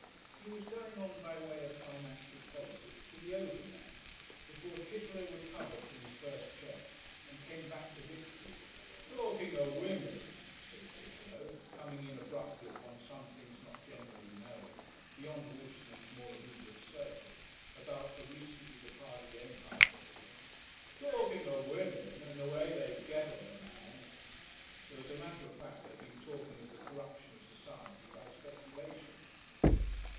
He was going on by way of Financial Politics to the Overman, before Chitterlow recovered from his first check, and came back to victory. "Talking of Women," said Chitterlow, coming in abruptly upon some things not generally known, beyond Walshingham's more immediate circle, about a recently departed Empire builder; "Talking of Women and the way they Get at a man " [Though as a matter of fact they had been talking of the Corruption of Society by Speculation.